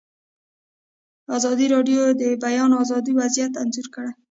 ازادي راډیو د د بیان آزادي وضعیت انځور کړی.